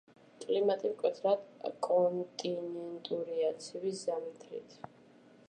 კლიმატი მკვეთრად კონტინენტურია, ცივი ზამთრით.